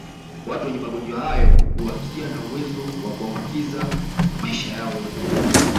Watu wenye magonjwa hayo hubakia na uwezo wa kuambukiza maisha yao yote